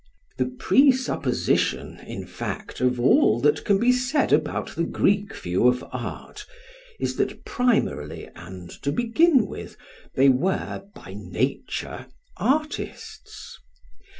] The presupposition, in fact, of all that can be said about the Greek view of art, is that primarily and to begin with they were, by nature, artists.